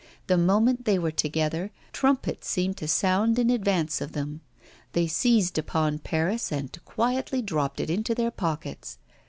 The moment they were together trumpets seemed to sound in advance of them; they seized upon Paris and quietly dropped it into their pockets.